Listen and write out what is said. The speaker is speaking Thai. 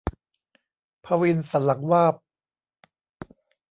ภวินสันหลังวาบ